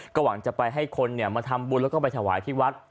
กระหว่างจะไปให้คนเนี่ยมาทำบุญแล้วก็เถวายที่ฟังวาท